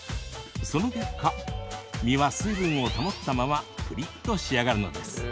その結果、実は水分を保ったままプリっと仕上がるのです。